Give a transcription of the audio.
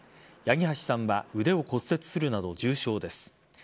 八木橋さんは腕を骨折するなど重傷です。